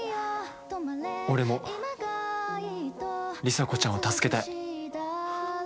俺も里紗子ちゃんを助けたい。